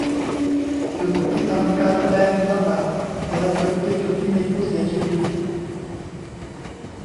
จุดที่ทำการแสดงศิลปะ แต่ละจุดคือจุดที่มีผู้เสียชีวิต